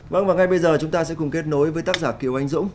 vâng và ngay bây giờ chúng ta sẽ cùng kết nối với tác giả kiều anh dũng